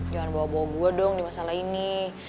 jangan bawa bawa dong di masalah ini